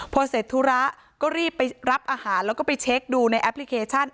พอเสร็จธุระก็รีบไปรับอาหารแล้วก็ไปเช็คดูในแอปพลิเคชัน